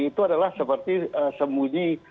itu adalah seperti sembunyi